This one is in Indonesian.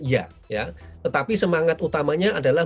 ya tetapi semangat utamanya adalah